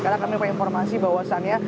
karena kami mau informasi bahwasannya